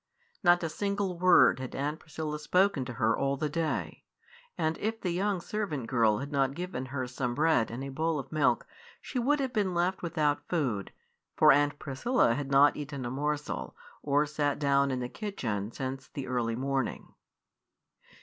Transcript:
Not a single word had Aunt Priscilla spoken to her all the day, and if the young servant girl had not given her some bread and a bowl of milk she would have been left without food, for Aunt Priscilla had not eaten a morsel, or sat down in the kitchen, since the early morning.